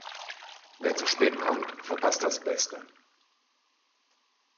Wer zu spät kommt, verpasst das Beste.